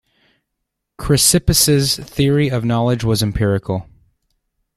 Chrysippus's theory of knowledge was empirical.